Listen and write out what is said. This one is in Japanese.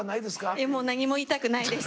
いやもう何も言いたくないです。